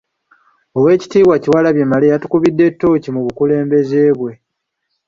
Oweekitiibwa Kyewalabye Male yatukubidde ttooki mu bukulembeze bwe.